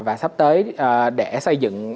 và sắp tới để xây dựng